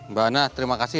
mbak ana terima kasih